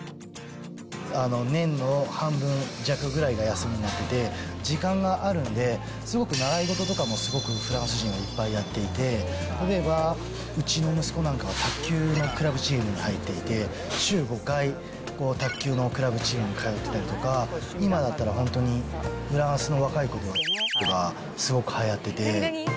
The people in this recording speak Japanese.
年の半分弱ぐらいが休みなので、時間があるんで、すごく習い事とかもすごくフランス人はいっぱいやっていて、例えばうちの息子なんかは卓球のクラブチームに入っていて、週５回卓球のクラブチームに通ってたりだとか、今だったら本当に、フランスの若い子には×××がすごくはやってて。